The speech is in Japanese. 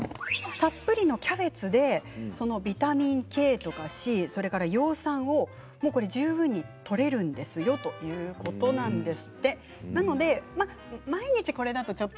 たっぷりのキャベツでビタミンＫとかビタミンＣ葉酸を十分にとれるんですよということなんです。